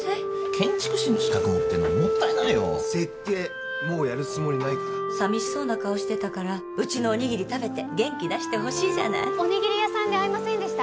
建築士の資格持ってんのにもったいないよ設計もうやるつもりないから寂しそうな顔してたからうちのおにぎり食べて元気出してほしいじゃないおにぎり屋さんで会いませんでした？